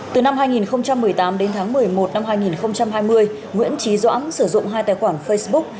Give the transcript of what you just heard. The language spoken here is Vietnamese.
từ năm hai nghìn một mươi tám đến tháng một mươi một năm hai nghìn hai mươi nguyễn trí doãn sử dụng hai tài khoản facebook